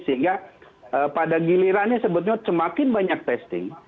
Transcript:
sehingga pada gilirannya sebetulnya semakin banyak testing